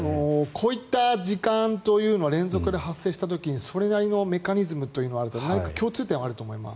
こういった時間というのは連続で発生した時にそれなりのメカニズムというのはあると何か共通点があると思います。